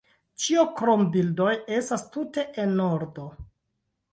Ĉio krom bildoj estas tute en ordo.